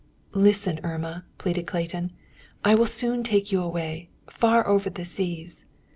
"Listen, Irma," pleaded Clayton. "I will soon take you away, far over the seas."